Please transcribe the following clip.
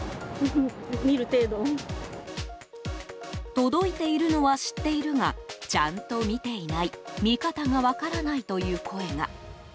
届いているのは知っているがちゃんと見ていない見方が分からないという声が。